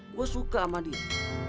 gue suka sama dia